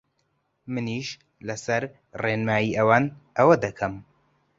منیش لەسەر ڕێنمایی ئەوان ئەوە دەکەم